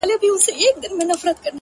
او تنها کيږي